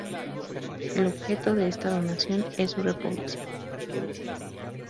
El objeto de esta donación es su repoblación.